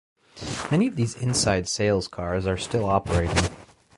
Many of these "inside sales cars" are still operating.